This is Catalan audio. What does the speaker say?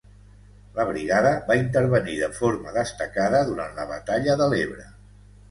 La brigada va intervenir de forma destacada durant la batalla de l'Ebre.